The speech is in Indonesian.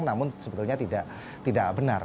namun sebetulnya tidak benar